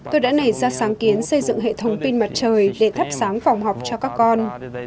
tôi đã nảy ra sáng kiến xây dựng hệ thống pin mặt trời để thắp sáng phòng học cho các con